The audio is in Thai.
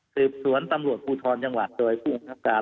สืบสวนทำรวจภูทนจังหวักโดยผู้ของอลองภูมิการ